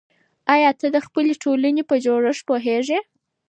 آیا ته د خپلې ټولنې په جوړښت پوهېږې؟